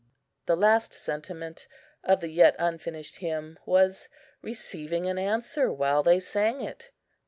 The last sentiment of the yet unfinished hymn was receiving an answer while they sang it.